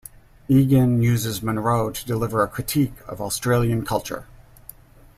Egan uses Munroe to deliver a critique of Australian culture.